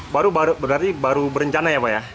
baru berarti baru berencana ya pak ya